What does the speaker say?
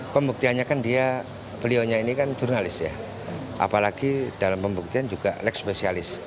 pembuktiannya kan dia beliau ini kan jurnalis ya apalagi dalam pembuktian juga lekspesialis